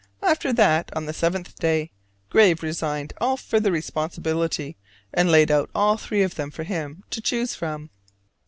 After that, on the seventh day, Graves resigned all further responsibility, and laid out all three of them for him to choose from.